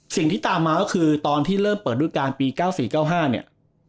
สิ่งที่ตามมาก็คือตอนที่เริ่มเปิดรูปการณ์ปี๙๔๙๕เนี่ย